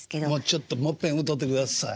ちょっともっぺん歌うてください。